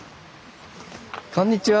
こんにちは。